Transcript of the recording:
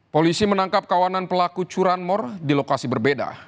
polisi menangkap kawanan pelaku curanmor di lokasi berbeda